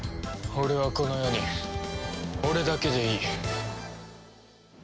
俺はこの世に俺だけでいい。